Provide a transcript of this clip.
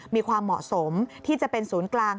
มีความเหมาะสมที่จะเป็นศูนย์กลาง